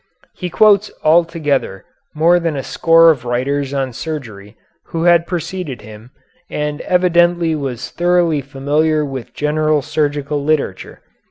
He quotes altogether more than a score of writers on surgery who had preceded him and evidently was thoroughly familiar with general surgical literature.